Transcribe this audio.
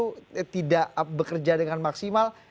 itu tidak bekerja dengan maksimal